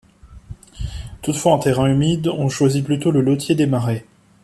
Toutefois, en terrain humide, on choisit plutôt le lotier des marais.